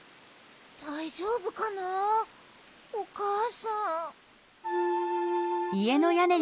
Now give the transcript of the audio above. だいじょうぶかなおかあさん。